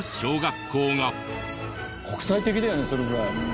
国際的だよねそれぐらい。